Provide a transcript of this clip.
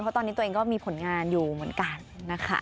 เพราะตอนนี้ตัวเองก็มีผลงานอยู่เหมือนกันนะคะ